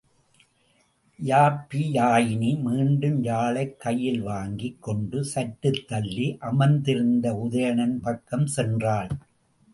யாப்பியாயினி மீண்டும் யாழைக் கையில் வாங்கிக் கொண்டு சற்றுத் தள்ளி அமர்ந்திருந்த உதயணன் பக்கம் சென்றாள்.